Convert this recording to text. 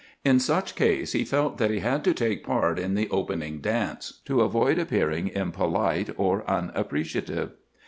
In such case he felt that he had to take part in the opening dance to avoid appearing impolite or unappreciative.